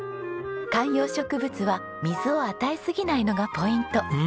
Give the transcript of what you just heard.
観葉植物は水を与えすぎないのがポイント。